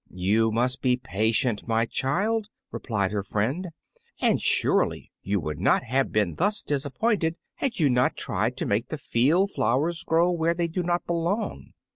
"You must be patient, my child," replied her friend; "and surely you would not have been thus disappointed had you not tried to make the field flowers grow where they do not belong.